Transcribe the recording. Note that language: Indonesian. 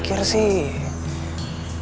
gue latihan si tuan tuan gue yaa